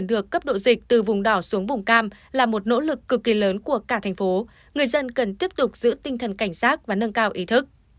nếu tình hình dịch tiếp tục xuống vùng cam là một nỗ lực cực kỳ lớn của cả thành phố người dân cần tiếp tục giữ tinh thần cảnh sát và nâng cao ý thức